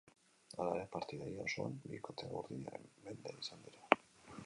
Hala ere, partida ia osoan bikote urdinaren mende izan dira.